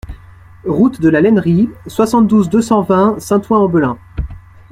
Route de la Lainerie, soixante-douze, deux cent vingt Saint-Ouen-en-Belin